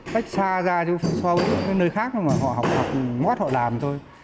tách xa ra cho phần sau nơi khác mà họ học mốt họ làm thôi